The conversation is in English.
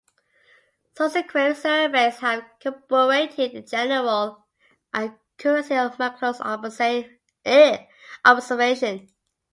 Subsequent surveys have corroborated the general accuracy of Maclure's observations.